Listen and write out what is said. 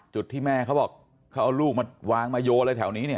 จุดที่แม่เขาบอกเขาเอาลูกมาวางมาโยนอะไรแถวนี้เนี่ย